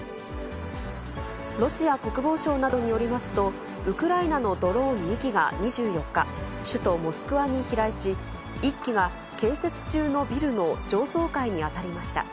ロシア国防省などによりますと、ウクライナのドローン２機が２４日、首都モスクワに飛来し、１機が建設中のビルの上層階に当たりました。